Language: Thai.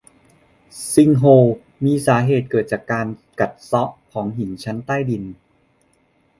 ซิงโฮล มีสาเหตุเกิดจากการกัดเซาะของหินชั้นใต้ดิน